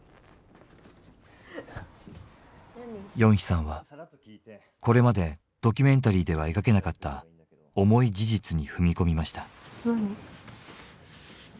ヨンヒさんはこれまでドキュメンタリーでは描けなかった重い事実に踏み込みました。